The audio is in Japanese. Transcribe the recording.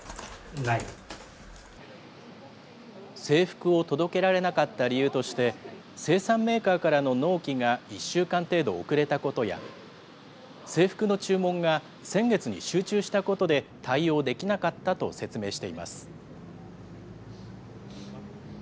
制服を届けられなかった理由として、生産メーカーからの納期が１週間程度遅れたことや、制服の注文が先月に集中したことで、対応できなかったと説明しています。